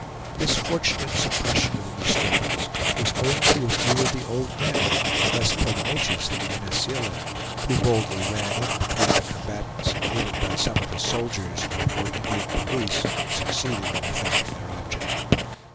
This fortunate suppression of the disturbance was owing to a few of the old men, less pugnacious than Mene Seela, who boldly ran in between the combatants and aided by some of the "soldiers," or Indian police, succeeded in effecting their object.